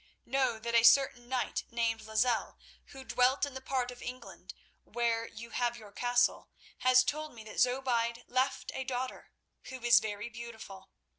"Know that a certain knight named Lozelle, who dwelt in the part of England where you have your castle, has told me that Zobeide left a daughter, who is very beautiful.